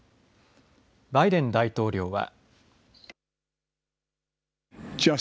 バイデン大統領は。